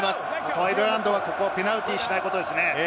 アイルランドはペナルティーをしないことですね。